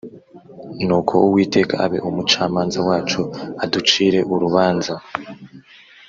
Nuko Uwiteka abe umucamanza wacu aducire urubanza